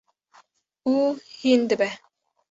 û hîn dibe.